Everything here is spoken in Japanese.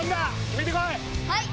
決めてこい！